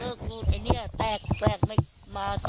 เลิกลูกไอเนี่ยแตกไม่มาต่อ